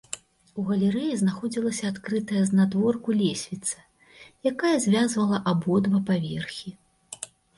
У галерэі знаходзілася адкрытая знадворку лесвіца, якая звязвала абодва паверхі.